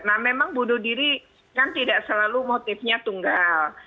nah memang bunuh diri kan tidak selalu motifnya tunggal